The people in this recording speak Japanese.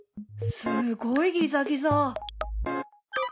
すごいギザギザ。